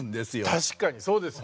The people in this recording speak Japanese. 確かにそうですね。